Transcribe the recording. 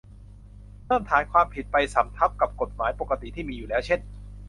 เพิ่มฐานความผิดไปสำทับกับกฎหมายปกติที่มีอยู่แล้วเช่น